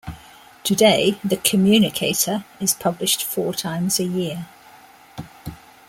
Today, The Communicator is published four times a year.